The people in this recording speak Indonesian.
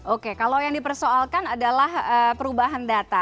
oke kalau yang dipersoalkan adalah perubahan data